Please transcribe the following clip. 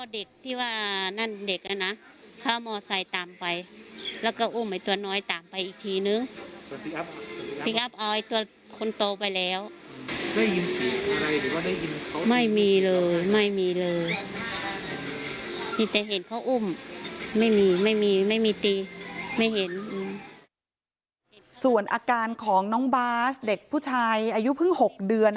ส่วนอาการของน้องบาสเด็กผู้ชายอายุเพิ่ง๖เดือน